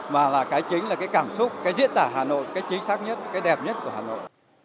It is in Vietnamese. mà là cái chính là cái cảm xúc cái diễn tả hà nội cách chính xác nhất cái đẹp nhất của hà nội